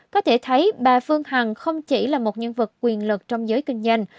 có thể thấy bà phương hằng không chỉ là một nhân vật quyền lực trong giới kinh doanh